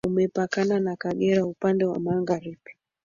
Umepakana na Kagera upande wa magharibi